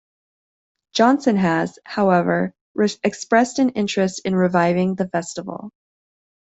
Johnson has, however, expressed an interest in reviving the festival.